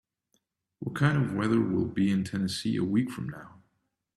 What kind of weather will be in Tennessee a week from now ?